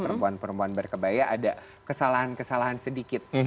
perempuan perempuan berkebaya ada kesalahan kesalahan sedikit